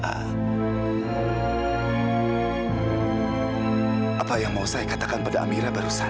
apa yang mau saya katakan pada amira barusan